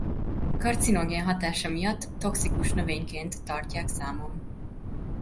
Karcinogén hatása miatt toxikus növényként tartják számon.